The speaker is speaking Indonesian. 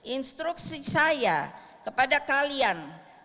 instruksi saya kepada kalian